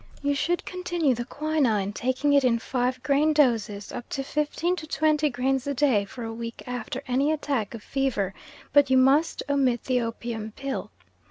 You should continue the quinine, taking it in five grain doses, up to fifteen to twenty grains a day for a week after any attack of fever, but you must omit the opium pill.